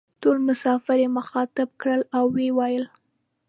ټول مسافر یې مخاطب کړل او وې ویل: